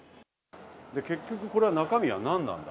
結局これは中身はなんなんだ？